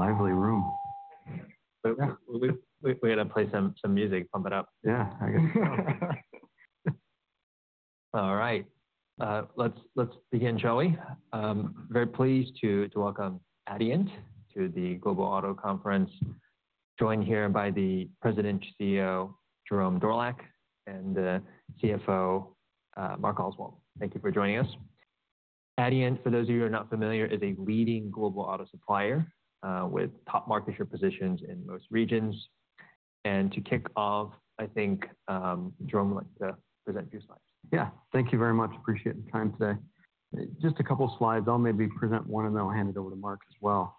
Lively room. We're going to play some music, pump it up. Yeah, I guess so. All right. Let's begin, shall we? Very pleased to welcome Adient to the Global Auto Conference, joined here by the President and CEO, Jerome Dorlack, and CFO, Mark Oswald. Thank you for joining us. Adient, for those of you who are not familiar, is a leading global auto supplier with top market share positions in most regions. To kick off, I think, Jerome, like to present a few slides. Yeah, thank you very much. Appreciate the time today. Just a couple of slides. I'll maybe present one and then I'll hand it over to Mark as well.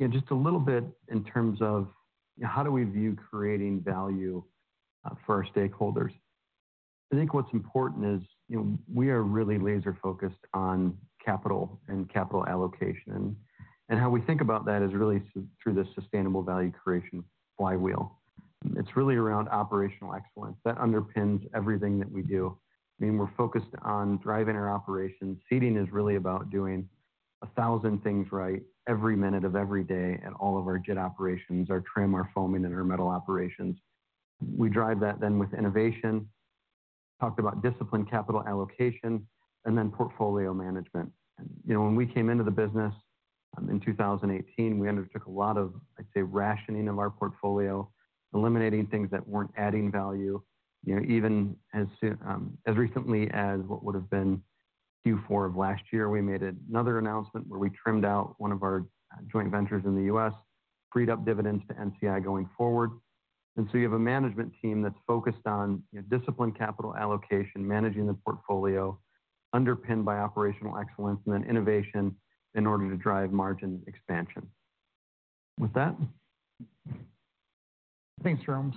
Just a little bit in terms of how do we view creating value for our stakeholders. I think what's important is we are really laser-focused on capital and capital allocation. How we think about that is really through this sustainable value creation flywheel. It's really around operational excellence that underpins everything that we do. I mean, we're focused on driving our operations. Seating is really about doing 1,000 things right every minute of every day at all of our jet operations, our trim, our foaming, and our metal operations. We drive that then with innovation, talked about discipline, capital allocation, and then portfolio management. When we came into the business in 2018, we undertook a lot of, I'd say, rationing of our portfolio, eliminating things that weren't adding value. Even as recently as what would have been Q4 of last year, we made another announcement where we trimmed out one of our joint ventures in the US, freed up dividends to NCI going forward. You have a management team that's focused on discipline, capital allocation, managing the portfolio, underpinned by operational excellence, and then innovation in order to drive margin expansion. With that. Thanks, Jerome.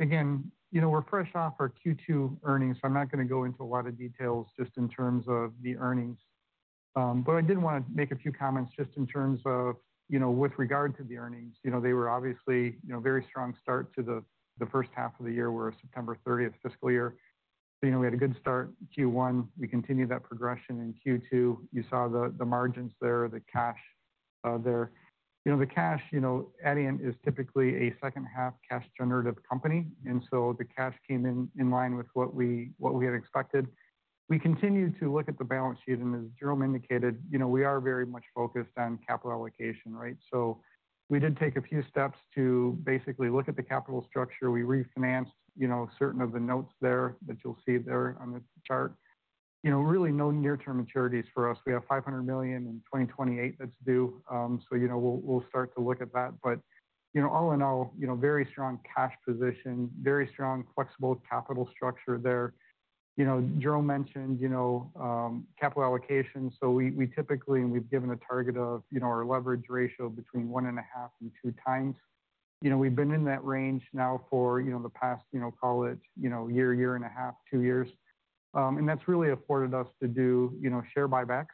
Again, we're fresh off our Q2 earnings, so I'm not going to go into a lot of details just in terms of the earnings. I did want to make a few comments just in terms of with regard to the earnings. They were obviously a very strong start to the first half of the year. We're September 30th fiscal year. We had a good start Q1. We continued that progression in Q2. You saw the margins there, the cash there. The cash, Adient is typically a second-half cash-generative company. The cash came in line with what we had expected. We continued to look at the balance sheet. As Jerome indicated, we are very much focused on capital allocation, right? We did take a few steps to basically look at the capital structure. We refinanced certain of the notes there that you'll see there on the chart. Really no near-term maturities for us. We have $500 million in 2028 that's due. We'll start to look at that. All in all, very strong cash position, very strong flexible capital structure there. Jerome mentioned capital allocation. We typically, and we've given a target of our leverage ratio between 1.5 and 2 times. We've been in that range now for the past, call it year, year and a half, two years. That's really afforded us to do share buybacks.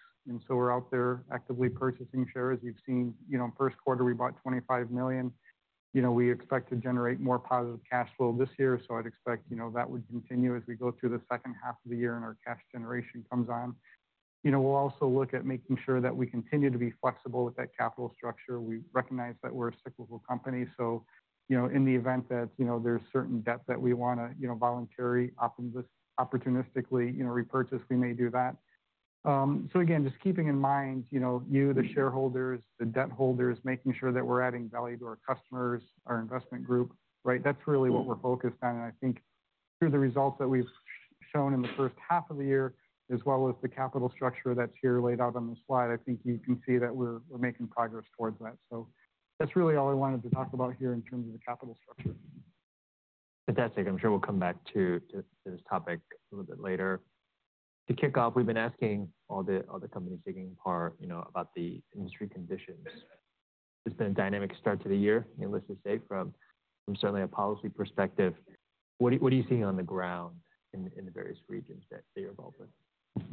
We're out there actively purchasing shares. You've seen first quarter, we bought $25 million. We expect to generate more positive cash flow this year. I'd expect that would continue as we go through the second half of the year and our cash generation comes on. We'll also look at making sure that we continue to be flexible with that capital structure. We recognize that we're a cyclical company. In the event that there's certain debt that we want to voluntarily, opportunistically repurchase, we may do that. Again, just keeping in mind you, the shareholders, the debt holders, making sure that we're adding value to our customers, our investment group, right? That's really what we're focused on. I think through the results that we've shown in the first half of the year, as well as the capital structure that's here laid out on the slide, I think you can see that we're making progress towards that. That's really all I wanted to talk about here in terms of the capital structure. Fantastic. I'm sure we'll come back to this topic a little bit later. To kick off, we've been asking all the companies taking part about the industry conditions. It's been a dynamic start to the year, needless to say, from certainly a policy perspective. What are you seeing on the ground in the various regions that you're involved with?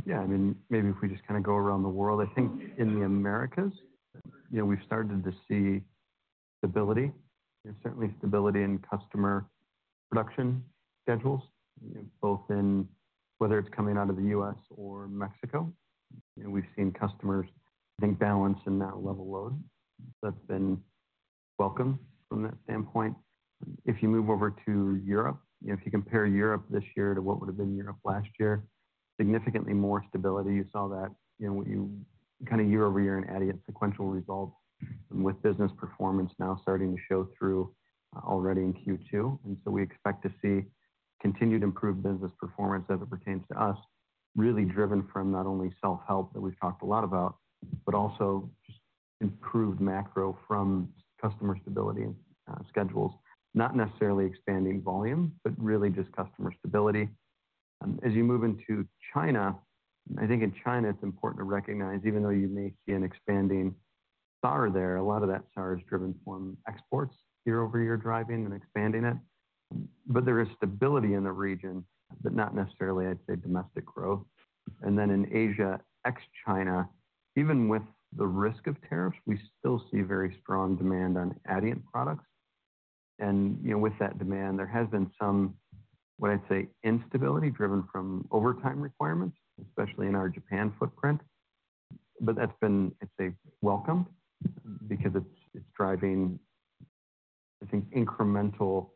Yeah, I mean, maybe if we just kind of go around the world, I think in the Americas, we've started to see stability, certainly stability in customer production schedules, both in whether it's coming out of the U.S. or Mexico. We've seen customers, I think, balance in that level load. That's been welcome from that standpoint. If you move over to Europe, if you compare Europe this year to what would have been Europe last year, significantly more stability. You saw that kind of year over year in Adient's sequential results with business performance now starting to show through already in Q2. I think we expect to see continued improved business performance as it pertains to us, really driven from not only self-help that we've talked a lot about, but also just improved macro from customer stability schedules. Not necessarily expanding volume, but really just customer stability. As you move into China, I think in China, it's important to recognize, even though you may see an expanding SAAR there, a lot of that SAAR is driven from exports year over year driving and expanding it. There is stability in the region, but not necessarily, I'd say, domestic growth. In Asia ex-China, even with the risk of tariffs, we still see very strong demand on Adient products. With that demand, there has been some, what I'd say, instability driven from overtime requirements, especially in our Japan footprint. That's been, I'd say, welcomed because it's driving, I think, incremental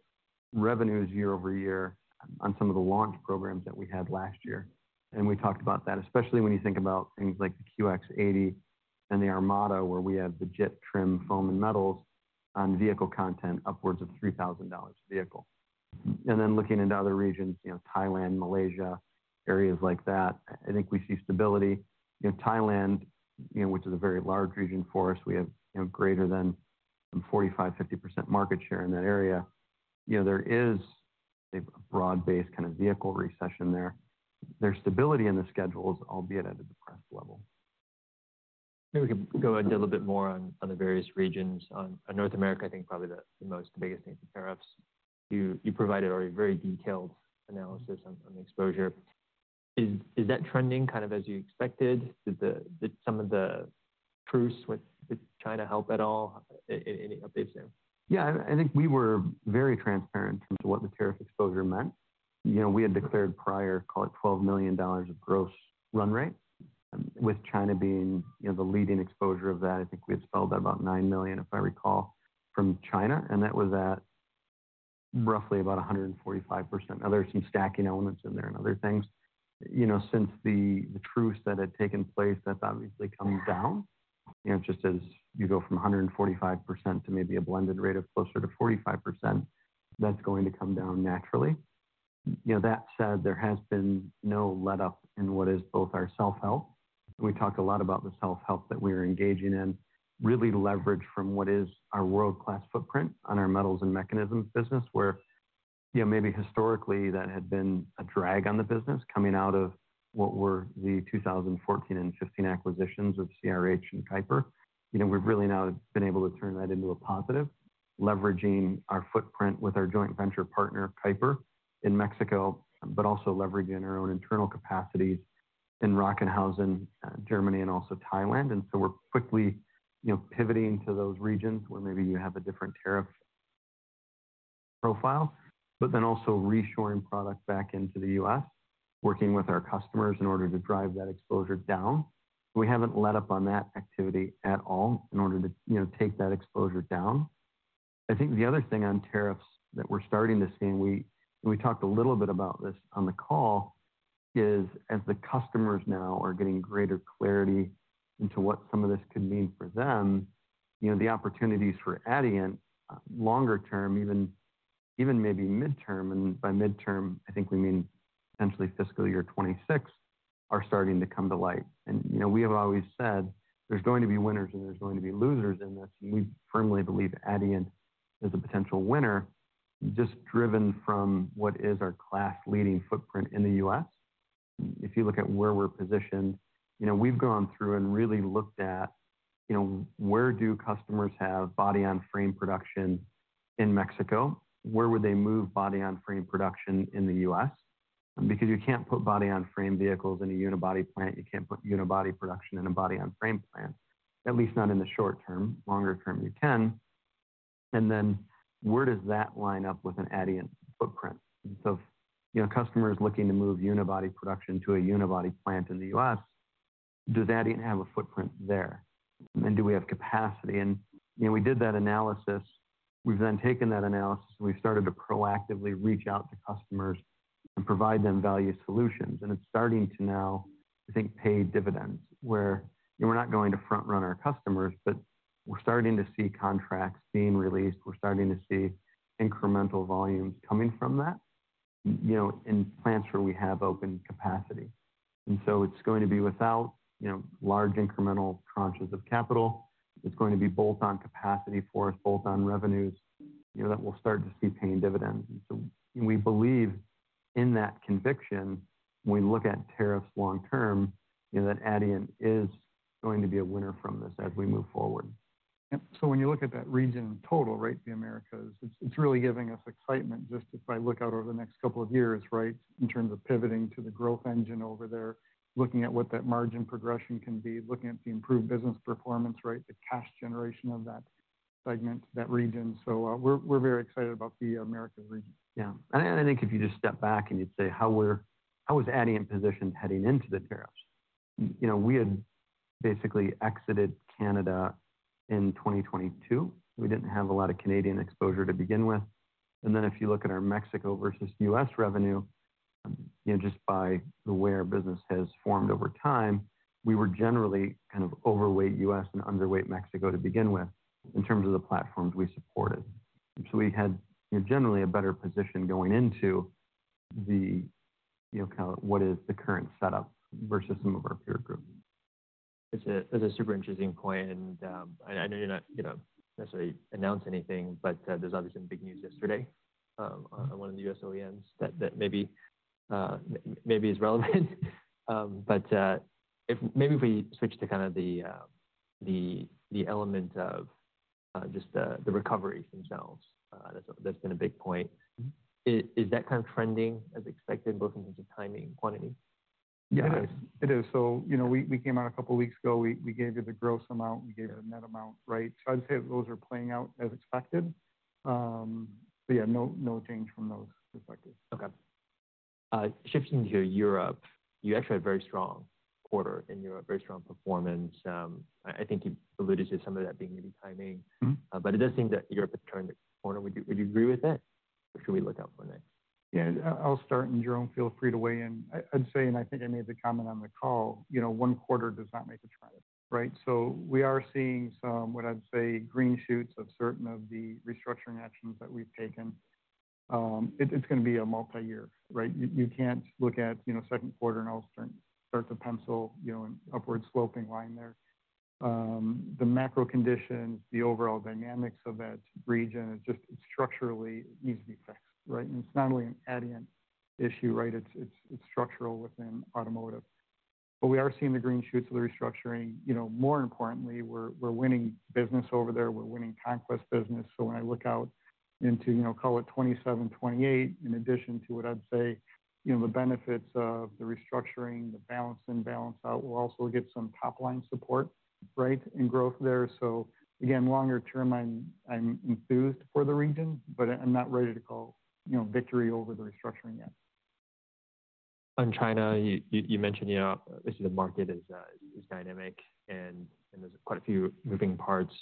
revenues year over year on some of the launch programs that we had last year. We talked about that, especially when you think about things like the QX80 and the Armada, where we have the jet trim, foam, and metals on vehicle content upwards of $3,000 a vehicle. Looking into other regions, Thailand, Malaysia, areas like that, I think we see stability. Thailand, which is a very large region for us, we have greater than 45%-50% market share in that area. There is a broad-based kind of vehicle recession there. There is stability in the schedules, albeit at a depressed level. Maybe we could go into a little bit more on the various regions. North America, I think probably the biggest thing for tariffs. You provided already very detailed analysis on the exposure. Is that trending kind of as you expected? Did some of the truths with China help at all in the updates there? Yeah, I think we were very transparent in terms of what the tariff exposure meant. We had declared prior, call it $12 million of gross run rate. With China being the leading exposure of that, I think we had spelled out about $9 million, if I recall, from China. That was at roughly about 145%. Now, there are some stacking elements in there and other things. Since the truths that had taken place, that's obviously come down. Just as you go from 145% to maybe a blended rate of closer to 45%, that's going to come down naturally. That said, there has been no let-up in what is both our self-help. We talk a lot about the self-help that we are engaging in, really leveraged from what is our world-class footprint on our metals and mechanisms business, where maybe historically that had been a drag on the business coming out of what were the 2014 and 2015 acquisitions of CRH and Kuiper. We have really now been able to turn that into a positive, leveraging our footprint with our joint venture partner, Kuiper, in Mexico, but also leveraging our own internal capacities in Rockenhausen, Germany, and also Thailand. We are quickly pivoting to those regions where maybe you have a different tariff profile, but then also reshoring product back into the U.S., working with our customers in order to drive that exposure down. We have not let up on that activity at all in order to take that exposure down. I think the other thing on tariffs that we're starting to see, and we talked a little bit about this on the call, is as the customers now are getting greater clarity into what some of this could mean for them, the opportunities for Adient longer term, even maybe midterm, and by midterm, I think we mean potentially fiscal year 2026, are starting to come to light. We have always said there's going to be winners and there's going to be losers in this. We firmly believe Adient is a potential winner, just driven from what is our class leading footprint in the US. If you look at where we're positioned, we've gone through and really looked at where do customers have body-on-frame production in Mexico? Where would they move body-on-frame production in the US? Because you can't put body-on-frame vehicles in a unibody plant. You can't put unibody production in a body-on-frame plant, at least not in the short term. Longer term, you can. Where does that line up with an Adient footprint? If a customer is looking to move unibody production to a unibody plant in the US, does Adient have a footprint there? Do we have capacity? We did that analysis. We've then taken that analysis and we've started to proactively reach out to customers and provide them value solutions. It's starting to now, I think, pay dividends where we're not going to front-run our customers, but we're starting to see contracts being released. We're starting to see incremental volumes coming from that in plants where we have open capacity. It's going to be without large incremental tranches of capital. It's going to be bolt-on capacity for us, bolt-on revenues that we'll start to see paying dividends. We believe in that conviction, when we look at tariffs long term, that Adient is going to be a winner from this as we move forward. Yep. When you look at that region in total, right, the Americas, it's really giving us excitement just if I look out over the next couple of years, right, in terms of pivoting to the growth engine over there, looking at what that margin progression can be, looking at the improved business performance, right, the cash generation of that segment, that region. We are very excited about the Americas region. Yeah. I think if you just step back and you'd say, how was Adient positioned heading into the tariffs? We had basically exited Canada in 2022. We did not have a lot of Canadian exposure to begin with. If you look at our Mexico versus US revenue, just by the way our business has formed over time, we were generally kind of overweight US and underweight Mexico to begin with in terms of the platforms we supported. We had generally a better position going into the, kind of what is the current setup versus some of our peer group. That's a super interesting point. I know you're not necessarily announcing anything, but there's obviously some big news yesterday on one of the U.S. OEMs that maybe is relevant. Maybe if we switch to kind of the element of just the recovery themselves, that's been a big point. Is that kind of trending as expected, both in terms of timing and quantity? Yeah, it is. We came out a couple of weeks ago. We gave you the gross amount. We gave you the net amount, right? I'd say those are playing out as expected. Yeah, no change from those perspectives. Okay. Shifting to Europe, you actually had a very strong quarter in Europe, very strong performance. I think you alluded to some of that being maybe timing. It does seem that Europe is turning the corner. Would you agree with that? What should we look out for next? Yeah. I'll start and Jerome, feel free to weigh in. I'd say, and I think I made the comment on the call, one quarter does not make a trend, right? We are seeing some, what I'd say, green shoots of certain of the restructuring actions that we've taken. It's going to be a multi-year, right? You can't look at second quarter and all start to pencil an upward sloping line there. The macro conditions, the overall dynamics of that region, it's structurally, it needs to be fixed, right? It's not only an Adient issue, right? It's structural within automotive. We are seeing the green shoots of the restructuring. More importantly, we're winning business over there. We're winning conquest business. When I look out into, call it 2027, 2028, in addition to what I'd say, the benefits of the restructuring, the balance in, balance out, we'll also get some top-line support, right, in growth there. Again, longer term, I'm enthused for the region, but I'm not ready to call victory over the restructuring yet. On China, you mentioned this is a market that is dynamic and there's quite a few moving parts.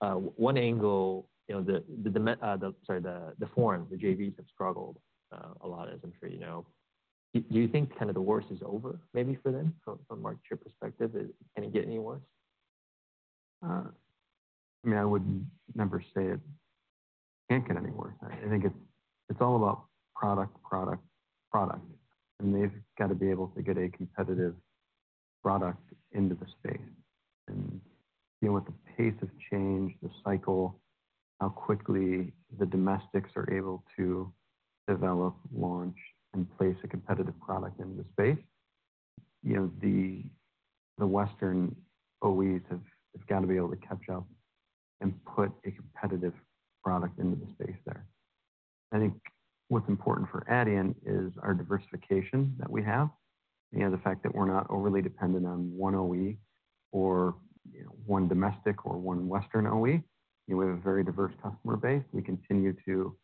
One angle, sorry, the foreign, the JVs have struggled a lot, as I'm sure you know. Do you think kind of the worst is over maybe for them from a market share perspective? Can it get any worse? I mean, I would never say it can't get any worse. I think it's all about product, product, product. They have got to be able to get a competitive product into the space and deal with the pace of change, the cycle, how quickly the domestics are able to develop, launch, and place a competitive product into the space. The Western OEs have got to be able to catch up and put a competitive product into the space there. I think what's important for Adient is our diversification that we have. The fact that we're not overly dependent on one OE or one domestic or one Western OE. We have a very diverse customer base. We continue to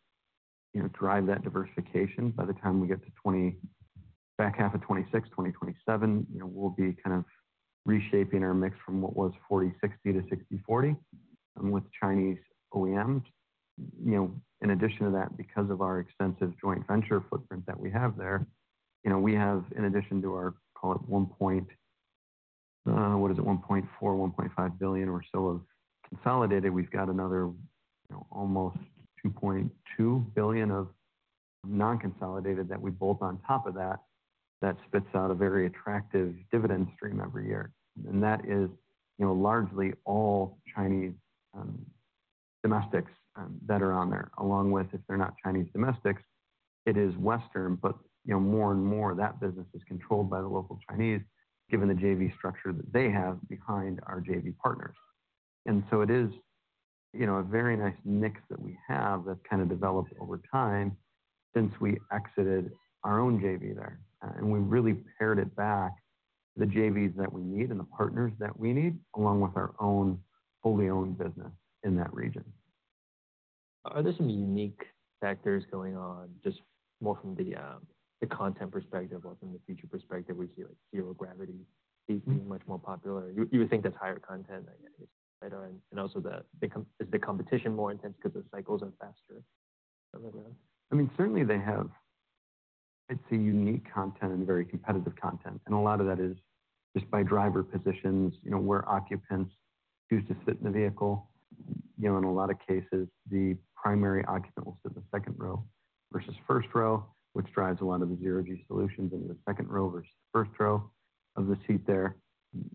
drive that diversification. By the time we get to the back half of 2026, 2027, we will be kind of reshaping our mix from what was 40/60 to 60/40 with Chinese OEMs. In addition to that, because of our extensive joint venture footprint that we have there, we have, in addition to our, call it $1.4 billion, $1.5 billion or so of consolidated, we have got another almost $2.2 billion of non-consolidated that we bolt on top of that that spits out a very attractive dividend stream every year. That is largely all Chinese domestics that are on there, along with, if they are not Chinese domestics, it is Western, but more and more that business is controlled by the local Chinese, given the JV structure that they have behind our JV partners. It is a very nice mix that we have that has kind of developed over time since we exited our own JV there. We really pared it back to the JVs that we need and the partners that we need, along with our own fully owned business in that region. Are there some unique factors going on, just more from the content perspective or from the future perspective? We see zero gravity being much more popular. You would think that's higher content, I guess, right? Also, is the competition more intense because the cycles are faster on the ground? I mean, certainly they have, I'd say, unique content and very competitive content. A lot of that is just by driver positions, where occupants choose to sit in the vehicle. In a lot of cases, the primary occupant will sit in the second row versus first row, which drives a lot of the zero gravity solutions into the second row versus the first row of the seat there,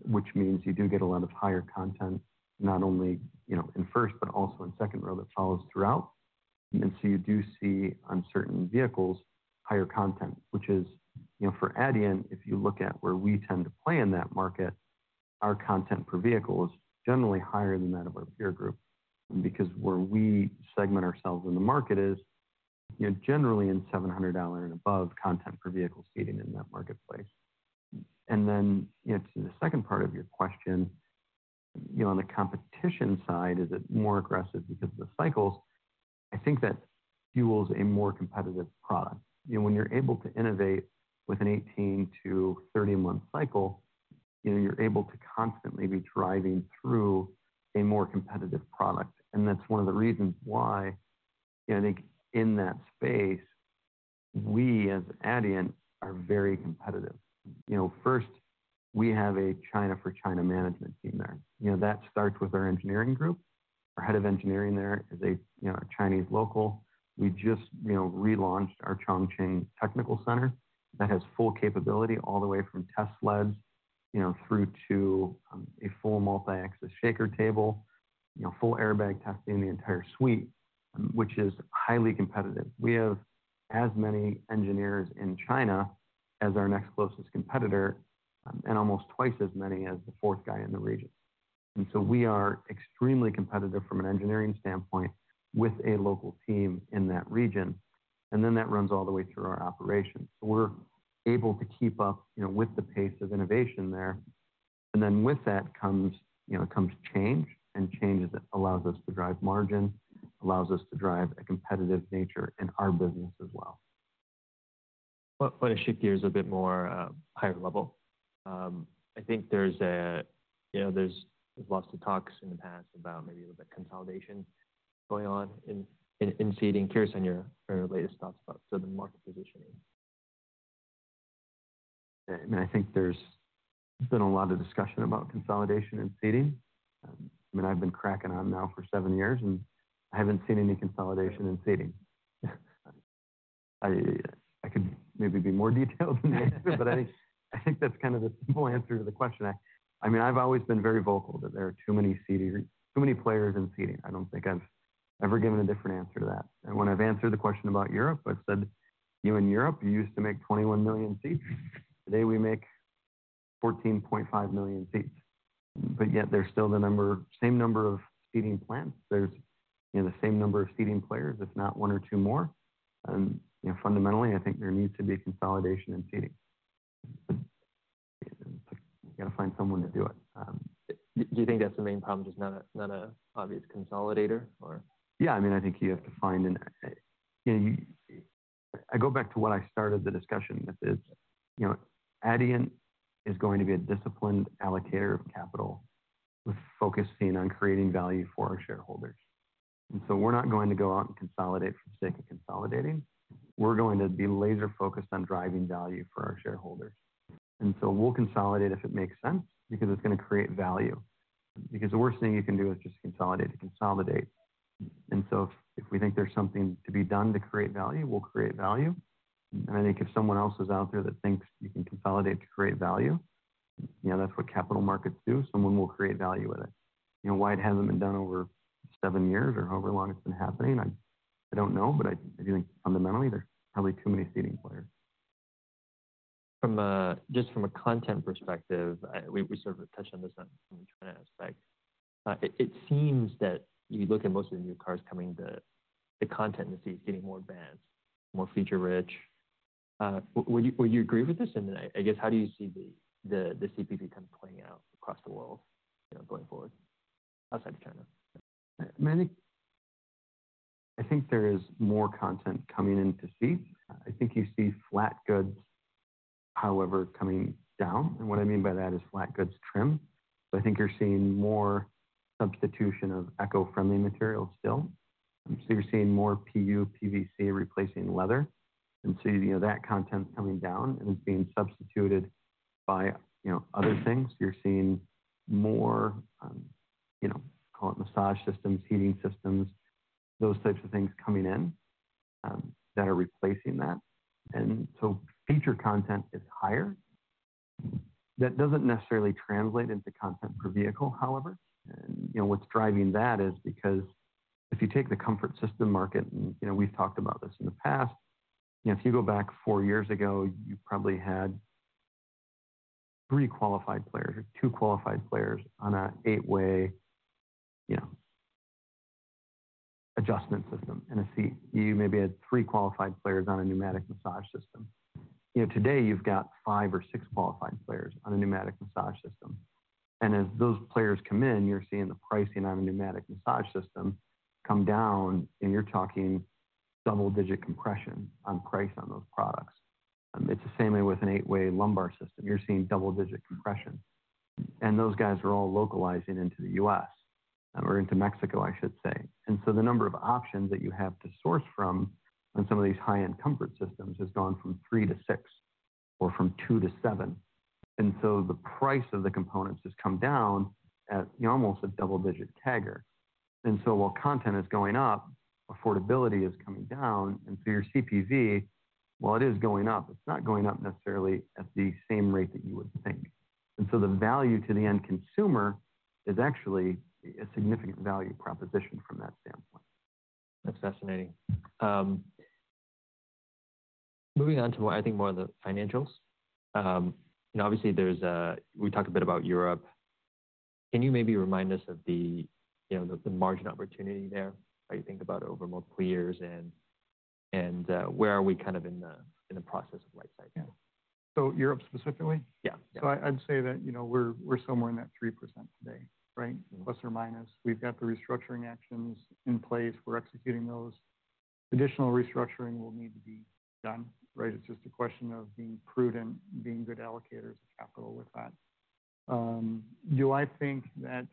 which means you do get a lot of higher content, not only in first, but also in second row that follows throughout. You do see on certain vehicles, higher content, which is for Adient, if you look at where we tend to play in that market, our content per vehicle is generally higher than that of our peer group. Because where we segment ourselves in the market is generally in $700 and above content per vehicle seating in that marketplace. To the second part of your question, on the competition side, is it more aggressive because of the cycles? I think that fuels a more competitive product. When you are able to innovate with an 18-30 month cycle, you are able to constantly be driving through a more competitive product. That is one of the reasons why I think in that space, we as Adient are very competitive. First, we have a China for China management team there. That starts with our engineering group. Our head of engineering there is a Chinese local. We just relaunched our Chongqing technical center that has full capability all the way from test sleds through to a full multi-axis shaker table, full airbag testing, the entire suite, which is highly competitive. We have as many engineers in China as our next closest competitor and almost twice as many as the fourth guy in the region. We are extremely competitive from an engineering standpoint with a local team in that region. That runs all the way through our operations. We are able to keep up with the pace of innovation there. With that comes change and changes that allow us to drive margin, allow us to drive a competitive nature in our business as well. Want to shift gears a bit more higher level. I think there's lots of talks in the past about maybe a little bit of consolidation going on in seating. Curious on your latest thoughts about the market positioning. I mean, I think there's been a lot of discussion about consolidation in seating. I mean, I've been cracking on now for seven years, and I haven't seen any consolidation in seating. I could maybe be more detailed than that, but I think that's kind of the simple answer to the question. I mean, I've always been very vocal that there are too many players in seating. I don't think I've ever given a different answer to that. When I've answered the question about Europe, I've said, "You in Europe, you used to make 21 million seats. Today we make 14.5 million seats." Yet there's still the same number of seating plants. There's the same number of seating players, if not one or two more. Fundamentally, I think there needs to be consolidation in seating. You got to find someone to do it. Do you think that's the main problem, just not an obvious consolidator? Yeah. I mean, I think you have to find an I go back to what I started the discussion with is Adient is going to be a disciplined allocator of capital with focusing on creating value for our shareholders. We are not going to go out and consolidate for the sake of consolidating. We are going to be laser-focused on driving value for our shareholders. We will consolidate if it makes sense because it is going to create value. The worst thing you can do is just consolidate to consolidate. If we think there is something to be done to create value, we will create value. I think if someone else is out there that thinks you can consolidate to create value, that is what capital markets do. Someone will create value with it. Why it hasn't been done over seven years or however long it's been happening, I don't know, but I do think fundamentally there's probably too many seating players. Just from a content perspective, we sort of touched on this on the China aspect. It seems that you look at most of the new cars coming, the content in the seats getting more advanced, more feature-rich. Would you agree with this? I guess, how do you see the CPV kind of playing out across the world going forward outside of China? I think there is more content coming into seats. I think you see flat goods, however, coming down. What I mean by that is flat goods trim. I think you are seeing more substitution of eco-friendly materials still. You are seeing more PU, PVC replacing leather. That content is coming down and it is being substituted by other things. You are seeing more, call it massage systems, heating systems, those types of things coming in that are replacing that. Feature content is higher. That does not necessarily translate into content per vehicle, however. What is driving that is because if you take the comfort system market, and we have talked about this in the past, if you go back four years ago, you probably had three qualified players or two qualified players on an eight-way adjustment system. You maybe had three qualified players on a pneumatic massage system. Today, you've got five or six qualified players on a pneumatic massage system. As those players come in, you're seeing the pricing on a pneumatic massage system come down, and you're talking double-digit compression on price on those products. It's the same way with an eight-way lumbar system. You're seeing double-digit compression. Those guys are all localizing into the U.S. or into Mexico, I should say. The number of options that you have to source from on some of these high-end comfort systems has gone from three to six or from two to seven. The price of the components has come down at almost a double-digit tagger. While content is going up, affordability is coming down. Your CPV, while it is going up, it's not going up necessarily at the same rate that you would think. The value to the end consumer is actually a significant value proposition from that standpoint. That's fascinating. Moving on to, I think, more of the financials. Obviously, we talked a bit about Europe. Can you maybe remind us of the margin opportunity there? How do you think about it over multiple years? Where are we kind of in the process of right-sizing? Europe specifically? Yeah. I'd say that we're somewhere in that 3% today, right? Plus or minus. We've got the restructuring actions in place. We're executing those. Additional restructuring will need to be done, right? It's just a question of being prudent, being good allocators of capital with that. Do I think that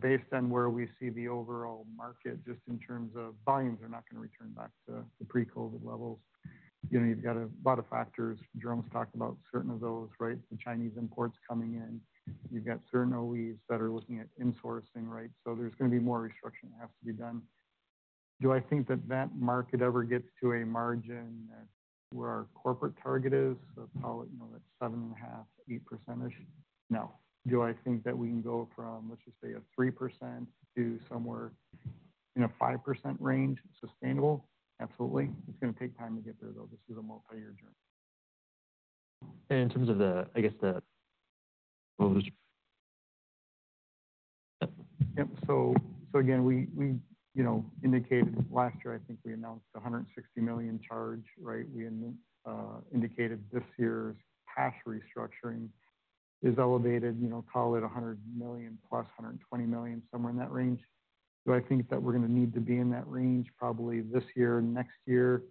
based on where we see the overall market, just in terms of volumes, are not going to return back to the pre-COVID levels? You've got a lot of factors. Jerome's talked about certain of those, right? The Chinese imports coming in. You've got certain OEs that are looking at insourcing, right? There is going to be more restructuring that has to be done. Do I think that that market ever gets to a margin where our corporate target is? Let's call it that 7.5%-8%-ish. No. Do I think that we can go from, let's just say, a 3% to somewhere in a 5% range sustainable? Absolutely. It's going to take time to get there, though. This is a multi-year journey. In terms of the, I guess, the. Yep. Again, we indicated last year, I think we announced a $160 million charge, right? We indicated this year's cash restructuring is elevated, call it $100 million-$120 million, somewhere in that range. Do I think that we're going to need to be in that range probably this year, next year?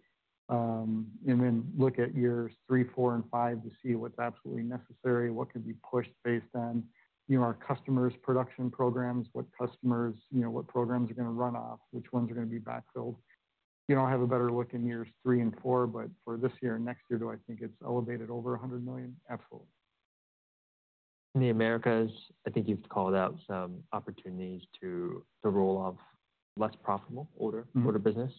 Then look at years three, four, and five to see what's absolutely necessary, what can be pushed based on our customers' production programs, what customers, what programs are going to run off, which ones are going to be backfilled. I'll have a better look in years three and four, but for this year and next year, do I think it's elevated over $100 million? Absolutely. In the Americas, I think you've called out some opportunities to roll off less profitable order business.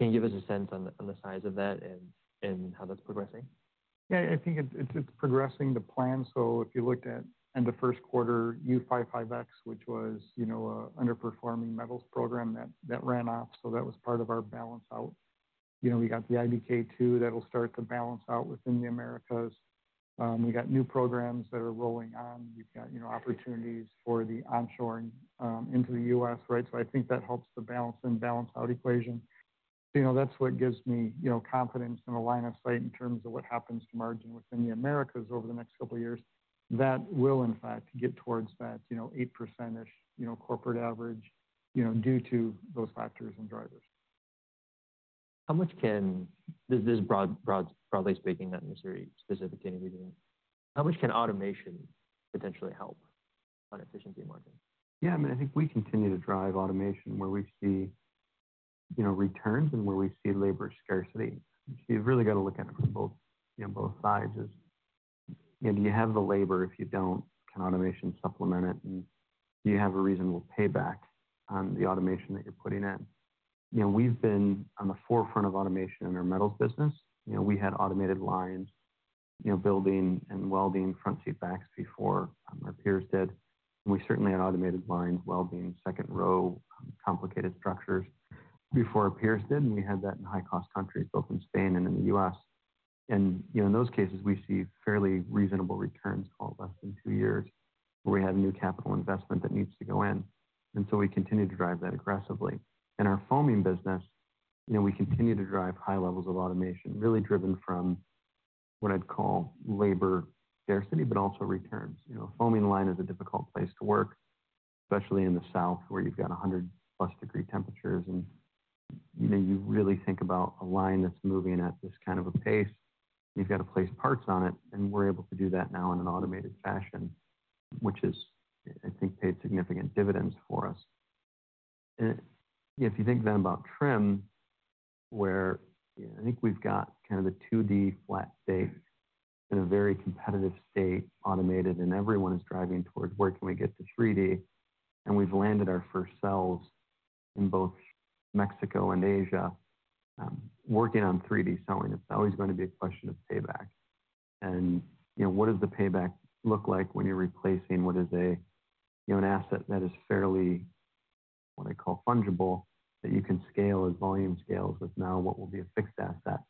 Can you give us a sense on the size of that and how that's progressing? Yeah. I think it is progressing to plan. If you looked at in the first quarter, U55X, which was an underperforming metals program that ran off. That was part of our balance out. We got the IBK2 that will start to balance out within the Americas. We got new programs that are rolling on. We have opportunities for the onshoring into the U.S., right? I think that helps the balance in balance out equation. That is what gives me confidence in the line of sight in terms of what happens to margin within the Americas over the next couple of years that will, in fact, get towards that 8%-ish corporate average due to those factors and drivers. How much can, this is broadly speaking, not necessarily specific to any region, how much can automation potentially help on efficiency margin? Yeah. I mean, I think we continue to drive automation where we see returns and where we see labor scarcity. You've really got to look at it from both sides as do you have the labor? If you don't, can automation supplement it? And do you have a reasonable payback on the automation that you're putting in? We've been on the forefront of automation in our metals business. We had automated lines building and welding front seat backs before our peers did. We certainly had automated lines welding second row complicated structures before our peers did. We had that in high-cost countries both in Spain and in the U.S. In those cases, we see fairly reasonable returns, called less than two years, where we have new capital investment that needs to go in. We continue to drive that aggressively. In our foaming business, we continue to drive high levels of automation, really driven from what I'd call labor scarcity, but also returns. Foaming line is a difficult place to work, especially in the south where you've got 100-plus degree temperatures. You really think about a line that's moving at this kind of a pace. You've got to place parts on it. We're able to do that now in an automated fashion, which is, I think, paid significant dividends for us. If you think then about trim, where I think we've got kind of the 2D flat state in a very competitive state automated, and everyone is driving towards where can we get to 3D. We've landed our first cells in both Mexico and Asia, working on 3D selling. It's always going to be a question of payback. What does the payback look like when you're replacing what is an asset that is fairly, what I call, fungible that you can scale as volume scales with now what will be a fixed asset?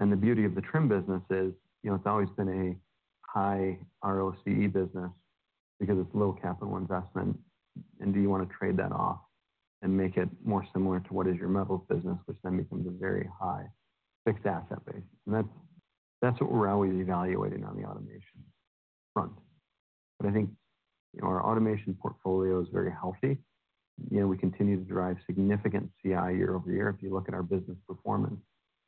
The beauty of the trim business is it's always been a high ROCE business because it's low capital investment. Do you want to trade that off and make it more similar to what is your metals business, which then becomes a very high fixed asset base? That's what we're always evaluating on the automation front. I think our automation portfolio is very healthy. We continue to drive significant CI year over year. If you look at our business performance,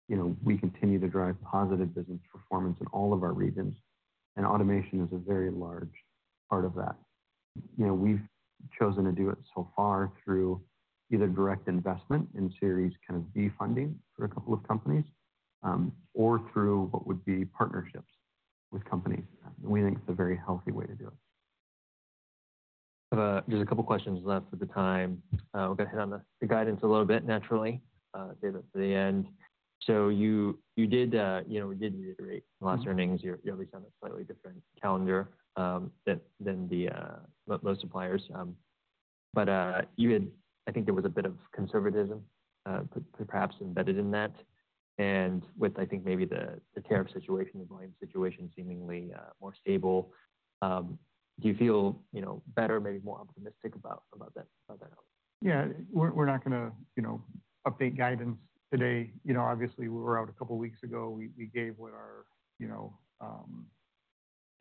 we continue to drive positive business performance in all of our regions. Automation is a very large part of that. We've chosen to do it so far through either direct investment in series B funding for a couple of companies or through what would be partnerships with companies. We think it's a very healthy way to do it. There's a couple of questions left at the time. We're going to hit on the guidance a little bit naturally, David, at the end. You did reiterate last earnings. You obviously have a slightly different calendar than most suppliers. I think there was a bit of conservatism perhaps embedded in that. With, I think, maybe the tariff situation, the volume situation seemingly more stable, do you feel better, maybe more optimistic about that? Yeah. We're not going to update guidance today. Obviously, we were out a couple of weeks ago. We gave what our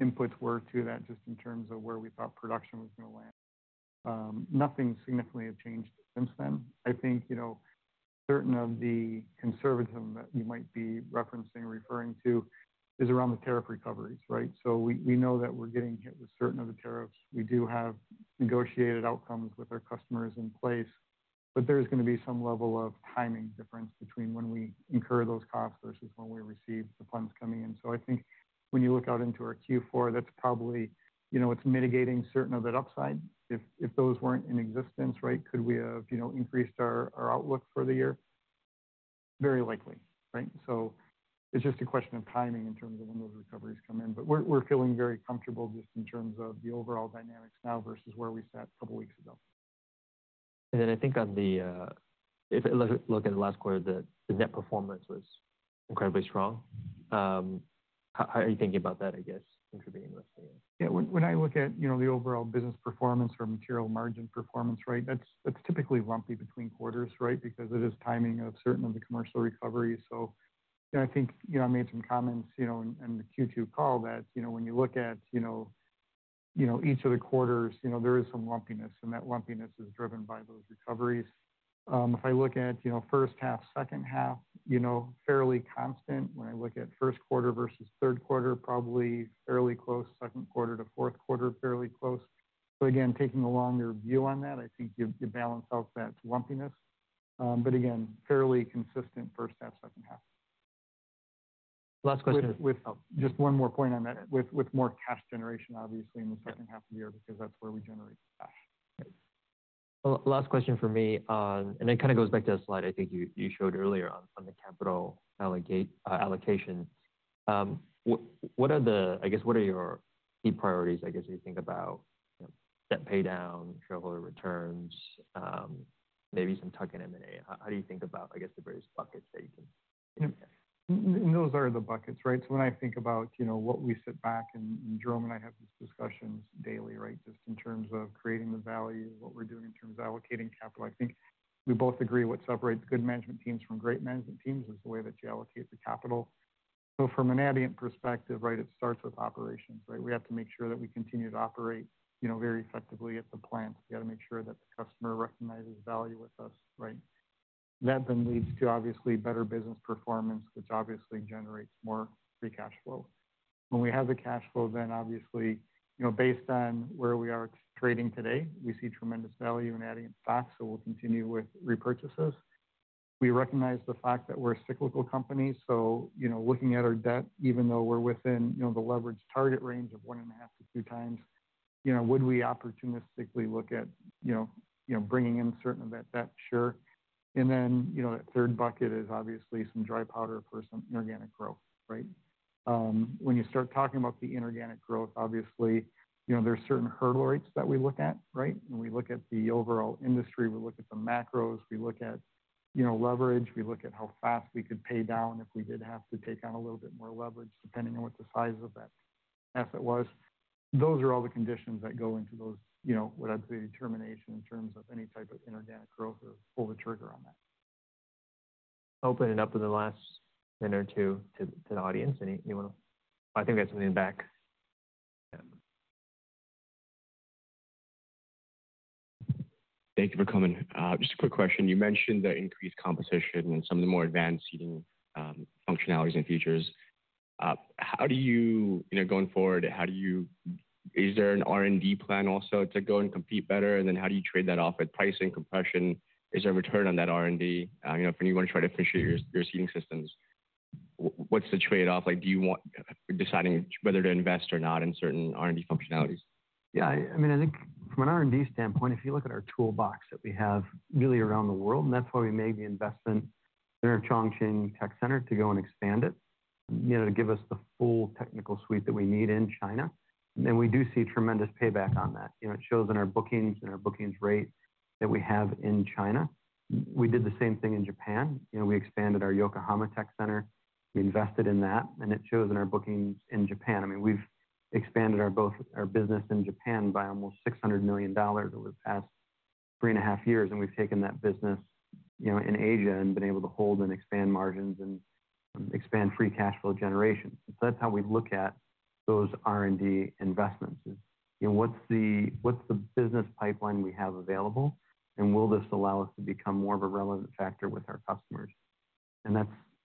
inputs were to that just in terms of where we thought production was going to land. Nothing significantly has changed since then. I think certain of the conservatism that you might be referencing, referring to is around the tariff recoveries, right? We know that we're getting hit with certain of the tariffs. We do have negotiated outcomes with our customers in place, but there's going to be some level of timing difference between when we incur those costs versus when we receive the funds coming in. I think when you look out into our Q4, that's probably it's mitigating certain of that upside. If those weren't in existence, right, could we have increased our outlook for the year? Very likely, right? It's just a question of timing in terms of when those recoveries come in. But we're feeling very comfortable just in terms of the overall dynamics now versus where we sat a couple of weeks ago. I think on the, if you look at the last quarter, the net performance was incredibly strong. How are you thinking about that, I guess, contributing to this? Yeah. When I look at the overall business performance or material margin performance, right, that's typically lumpy between quarters, right, because it is timing of certain of the commercial recoveries. I think I made some comments in the Q2 call that when you look at each of the quarters, there is some lumpiness, and that lumpiness is driven by those recoveries. If I look at first half, second half, fairly constant. When I look at first quarter versus third quarter, probably fairly close. Second quarter to fourth quarter, fairly close. Again, taking a longer view on that, I think you balance out that lumpiness. Again, fairly consistent first half, second half. Last question. Just one more point on that, with more cash generation, obviously, in the second half of the year because that's where we generate cash. Last question for me. It kind of goes back to a slide I think you showed earlier on the capital allocation. What are the, I guess, what are your key priorities, I guess, as you think about debt pay down, shareholder returns, maybe some tuck in M&A? How do you think about, I guess, the various buckets that you can? Those are the buckets, right? When I think about what we sit back and Jerome and I have these discussions daily, right, just in terms of creating the value, what we are doing in terms of allocating capital, I think we both agree what separates good management teams from great management teams is the way that you allocate the capital. From an Adient perspective, right, it starts with operations, right? We have to make sure that we continue to operate very effectively at the plant. We got to make sure that the customer recognizes value with us, right? That then leads to, obviously, better business performance, which obviously generates more free cash flow. When we have the cash flow, then obviously, based on where we are trading today, we see tremendous value in Adient stocks. We will continue with repurchases. We recognize the fact that we're a cyclical company. Looking at our debt, even though we're within the leverage target range of 1.5-2 times, would we opportunistically look at bringing in certain of that debt? Sure. That third bucket is obviously some dry powder for some inorganic growth, right? When you start talking about the inorganic growth, obviously, there are certain hurdle rates that we look at, right? We look at the overall industry. We look at the macros. We look at leverage. We look at how fast we could pay down if we did have to take on a little bit more leverage depending on what the size of that asset was. Those are all the conditions that go into what I'd say determination in terms of any type of inorganic growth or pull the trigger on that. Open it up in the last minute or two to the audience. Anyone? I think we got something in the back. Thank you for coming. Just a quick question. You mentioned the increased composition and some of the more advanced seating functionalities and features. How do you, going forward, how do you—is there an R&D plan also to go and compete better? How do you trade that off with pricing, compression? Is there a return on that R&D? If anyone's trying to appreciate your seating systems, what's the trade-off? Do you want deciding whether to invest or not in certain R&D functionalities? Yeah. I mean, I think from an R&D standpoint, if you look at our toolbox that we have really around the world, and that is why we made the investment in our Chongqing Tech Center to go and expand it, to give us the full technical suite that we need in China. We do see tremendous payback on that. It shows in our bookings and our bookings rate that we have in China. We did the same thing in Japan. We expanded our Yokohama Tech Center. We invested in that, and it shows in our bookings in Japan. I mean, we have expanded our business in Japan by almost $600 million over the past three and a half years. We have taken that business in Asia and been able to hold and expand margins and expand free cash flow generation. That is how we look at those R&D investments. What's the business pipeline we have available, and will this allow us to become more of a relevant factor with our customers?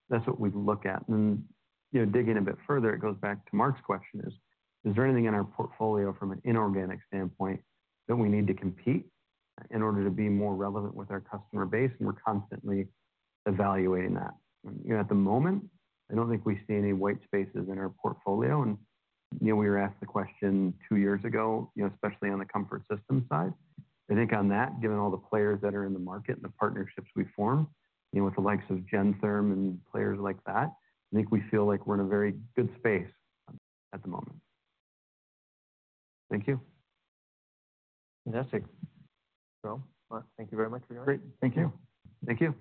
That's what we look at. Then digging a bit further, it goes back to Mark's question: is there anything in our portfolio from an inorganic standpoint that we need to compete in order to be more relevant with our customer base? We're constantly evaluating that. At the moment, I don't think we see any white spaces in our portfolio. We were asked the question two years ago, especially on the comfort system side. I think on that, given all the players that are in the market and the partnerships we form with the likes of Gentherm and players like that, I think we feel like we're in a very good space at the moment. Thank you. Fantastic. Thank you very much, everyone. Great. Thank you. Thank you.